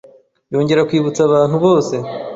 Yongera kwibutsa abantu bose